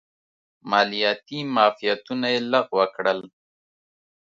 مالیاتي معافیتونه یې لغوه کړل.